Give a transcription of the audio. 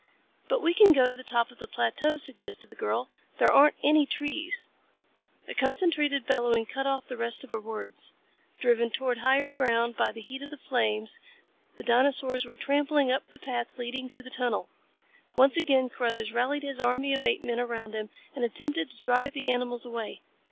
"But we can go to the top of the plateau," suggested the girl. "There aren't any trees " A concentrated bellowing cut off the rest of her words. Driven towards higher ground by the heat of the flames, the dinosaurs were trampling up the path leading to the tunnel. Once again Carruthers rallied his army of apemen around him and attempted to drive the mammals away.